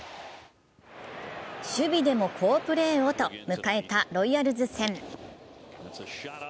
守備でも好プレーをと、迎えたロイヤルズ戦。